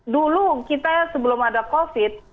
dulu kita sebelum ada covid